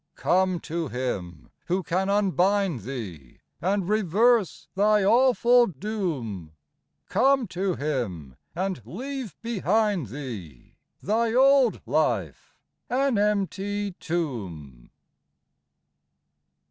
Come to Him, who can unbind thee, And reverse thy awful doom ; Come to Him, and leave behind thee Thy old life — an empty tomb.